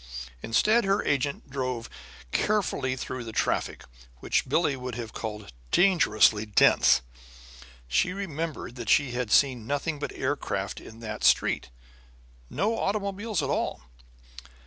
Instead, her agent drove carefully through the traffic, which Billie would have called dangerously dense. She remembered that she had seen nothing but aircraft in that street; no automobiles at all.